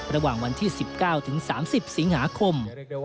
ระหว่างวันที่๑๙ถึง๓๐สิงหาคม